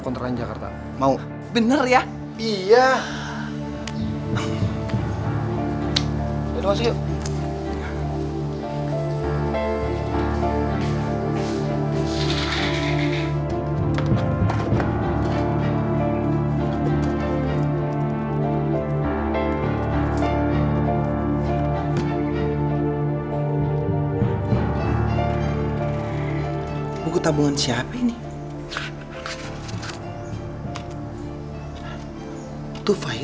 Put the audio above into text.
kok kamu tegas sih bohongin aku